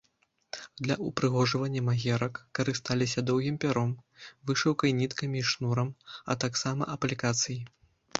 Для ўпрыгожвання магерак карысталіся доўгім пяром, вышыўках ніткамі і шнурам, а таксама аплікацыяй.